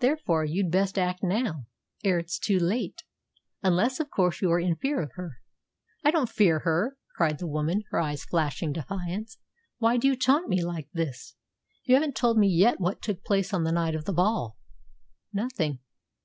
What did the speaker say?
Therefore, you'd best act now, ere it's too late. Unless, of course, you are in fear of her." "I don't fear her!" cried the woman, her eyes flashing defiance. "Why do you taunt me like this? You haven't told me yet what took place on the night of the ball." "Nothing.